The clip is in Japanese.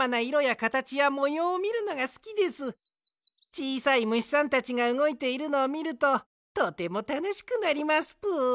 ちいさいむしさんたちがうごいているのをみるととてもたのしくなりますぷ。